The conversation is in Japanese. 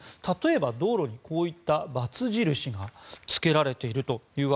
例えば道路にこういったバツ印がつけられていると。